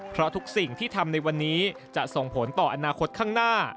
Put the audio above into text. เพราะทุกสิ่งที่ทำในวันนี้จะส่งผลต่ออนาคตข้างหน้า